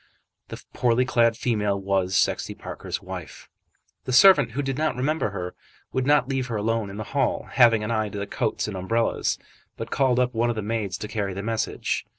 The poorly clad female was Sexty Parker's wife. The servant, who did not remember her, would not leave her alone in the hall, having an eye to the coats and umbrellas, but called up one of the maids to carry the message.